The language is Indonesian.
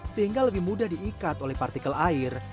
sehingga lebih mudah diikat oleh partikel air